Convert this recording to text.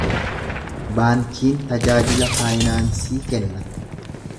Baankiin tajaajila faaynaansii kenna.